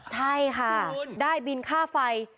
ใช่ค่ะได้บินค่าไฟ